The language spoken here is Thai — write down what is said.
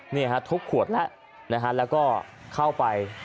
นี่ค่ะทบขวดละแล้วเข้าไป